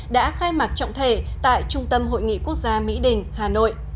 đã khai mạc trọng thể tại trung tâm hội nghị quốc gia mỹ đình hà nội